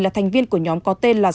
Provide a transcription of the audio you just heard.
là thành viên của nhóm có tên là